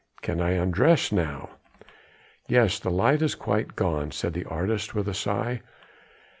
"Can I undress now?" "Yes. The light has quite gone," said the artist with a sigh.